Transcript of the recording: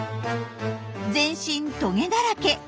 全身トゲだらけ！